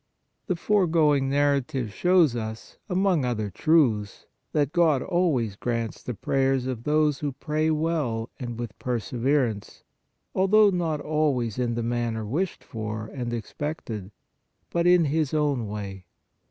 The foregoing narrative shows us, among other truths, that God always grants the prayers of those who pray well and with perseverance, although not always in the manner wished for and expected, but in His own way.